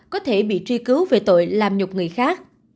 có thể bị truy cứu về tội làm nhục người khác